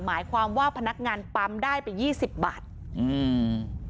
หมายความว่าพนักงานปั๊มได้ไปยี่สิบบาทอืม